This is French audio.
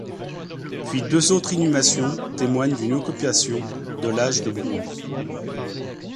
Puis deux autres inhumations témoignent d’une occupation de l’âge de bronze.